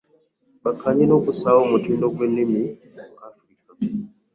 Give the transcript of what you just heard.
Ebakanye n'okussaawo omutimbagano gw'ennimi mu Afirika